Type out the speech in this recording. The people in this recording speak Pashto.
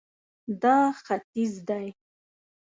دا ختیځ دی